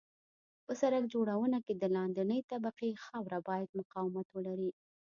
په سرک جوړونه کې د لاندنۍ طبقې خاوره باید مقاومت ولري